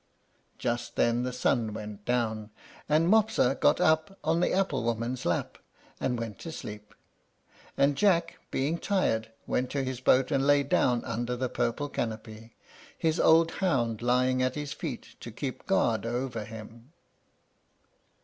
Just then the sun went down, and Mopsa got up on the apple woman's lap, and went to sleep; and Jack, being tired, went to his boat and lay down under the purple canopy, his old hound lying at his feet to keep guard over him.